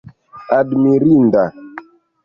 admirinda